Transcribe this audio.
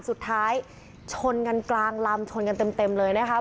สุดท้ายชนกันกลางลำชนกันเต็มเลยนะคะ